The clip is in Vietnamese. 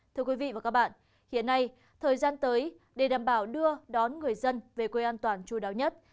thưa quý vị và các bạn hiện nay thời gian tới để đảm bảo đưa đón người dân về quê an toàn chú đáo nhất